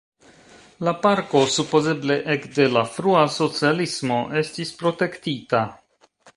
La parko supozeble ekde la frua socialismo estis protektita.